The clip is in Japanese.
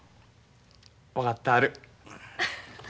分かったある。